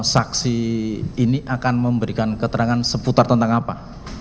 saksi ini akan memberikan keterangan seputar tentang apa